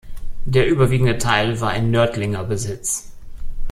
Der überwiegende Teil war in Nördlinger Besitz.